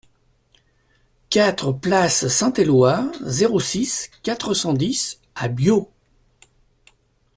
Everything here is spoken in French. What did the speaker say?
quatre place Saint-Eloi, zéro six, quatre cent dix à Biot